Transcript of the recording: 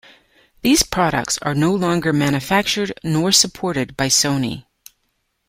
These products are no longer manufactured nor supported by Sony.